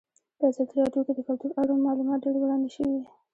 په ازادي راډیو کې د کلتور اړوند معلومات ډېر وړاندې شوي.